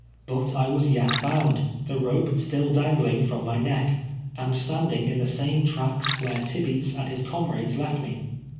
But I was yet bound, the rope still dangling from my neck, and standing in the same tracks where Tibeats and his comrades left me.